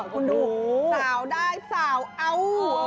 คุณดูสาวได้สาวเอ้า